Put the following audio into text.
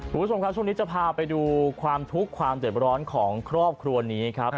คุณผู้ชมครับช่วงนี้จะพาไปดูความทุกข์ความเจ็บร้อนของครอบครัวนี้ครับ